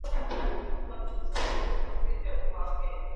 د علمي او فکري اصلاحاتو ضرورت دی.